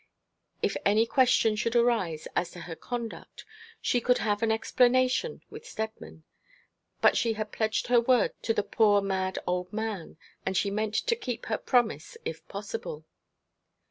If any question should arise as to her conduct she could have an explanation with Steadman; but she had pledged her word to the poor mad old man, and she meant to keep her promise, if possible.